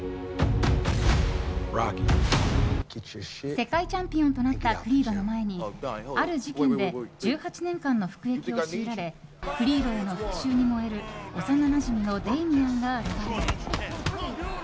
世界チャンピオンとなったクリードの前にある事件で１８年間の服役を強いられクリードへの復讐に燃える幼なじみのデイミアンが現れる。